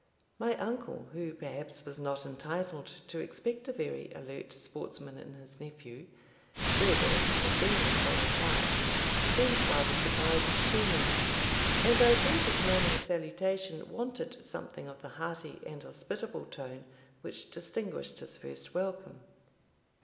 My uncle, who, perhaps, was not entitled to expect a very alert sportsman in his nephew, bred as he had been in foreign parts, seemed rather surprised to see me, and I thought his morning salutation wanted something of the hearty and hospitable tone which distinguished his first welcome.